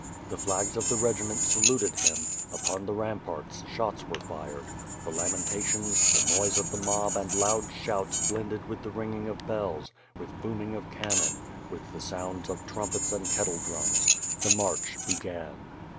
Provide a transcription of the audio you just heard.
The flags of the regiment saluted him; upon the ramparts, shots were fired; the lamentations, the noise of the mob and loud shouts blended with the ringing of bells, with booming of cannon, with the sounds of trumpets and kettle drums. The march began.